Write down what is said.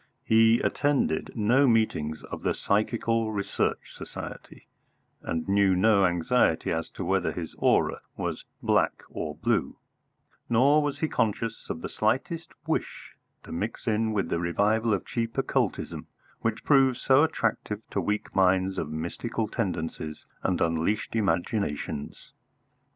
He attended no meetings of the Psychical Research Society, and knew no anxiety as to whether his "aura" was black or blue; nor was he conscious of the slightest wish to mix in with the revival of cheap occultism which proves so attractive to weak minds of mystical tendencies and unleashed imaginations.